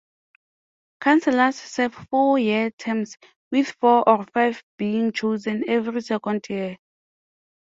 Councilors serve four-year terms, with four or five being chosen every second year.